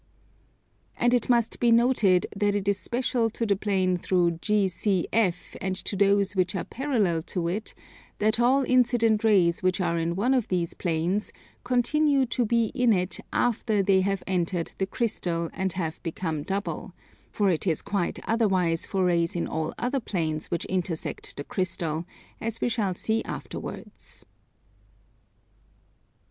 And it must be noted that it is special to the plane through GCF and to those which are parallel to it, that all incident rays which are in one of these planes continue to be in it after they have entered the Crystal and have become double; for it is quite otherwise for rays in all other planes which intersect the Crystal, as we shall see afterwards.